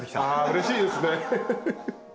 うれしいですね！